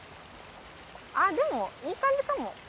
あっでもいい感じかも。